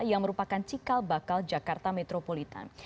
yang merupakan cikal bakal jakarta metropolitan